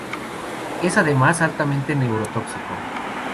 Es además altamente neurotóxico.